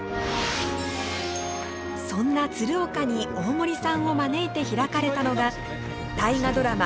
そんな鶴岡に大森さんを招いて開かれたのが大河ドラマ